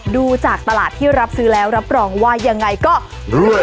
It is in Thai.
ดูจากตลาดที่รับซื้อแล้วรับรองว่ายังไงก็รวย